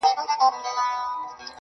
یوه نجلۍ راسي زما په زړه کي غم ساز کړي~